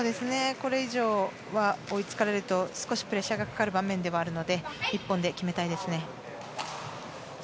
これ以上追いつかれると少しプレッシャーがかかる場面ではあるので１本で決めたいです。